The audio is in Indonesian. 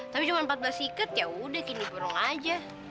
tapi cuma empat belas ikat yaudah kini burung aja